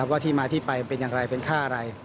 ว่าที่มาที่ไปเป็นอย่างไรเป็นค่าอะไร